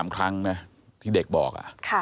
๓ครั้งนะที่เด็กบอก